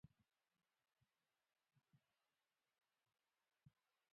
ښارونه د افغانستان د چاپیریال د مدیریت لپاره مهم دي.